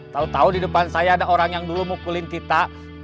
tahu tahu di depan saya ada orang yang dulu mukulin kita